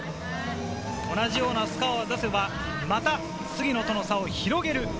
同じようなスコアを出せば、杉野との差を広げる。